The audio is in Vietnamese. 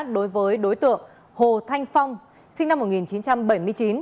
đối với đối tượng hồ thanh phong sinh năm một nghìn chín trăm bảy mươi chín